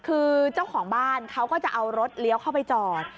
คือเจ้าของบ้านเขาก็จะเอารถเลี้ยวเข้าไปจอด